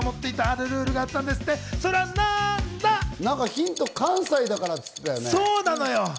ヒントは「関西だから」ってそうなのよ。